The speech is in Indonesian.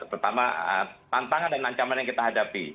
terutama tantangan dan ancaman yang kita hadapi